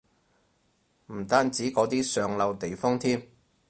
唔單止嗰啲上流地方添